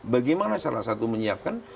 bagaimana salah satu menyiapkan